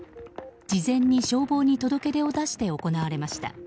事前に消防に届け出を出して行われました。